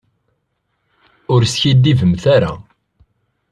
Ur skiddibemt ara.